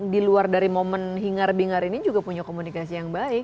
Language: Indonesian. di luar dari momen hingar bingar ini juga punya komunikasi yang baik